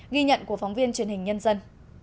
ghi nhận của phóng viên truyền hình nhân dân